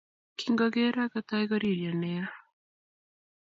Kingogera kotai koririo nea